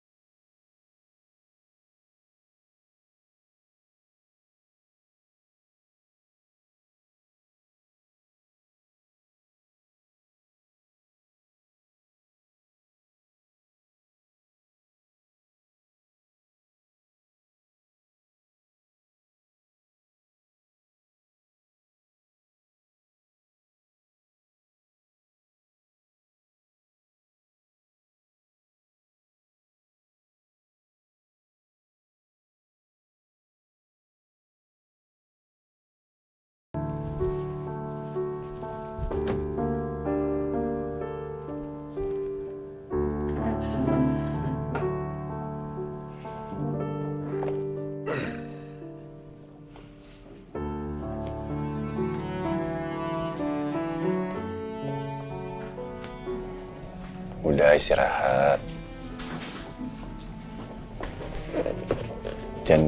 es pa korban dia tebing